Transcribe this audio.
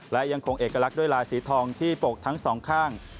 และยังคงเอกลักษณ์ด้วยลายสีทองที่ปกทั้งสองข้าง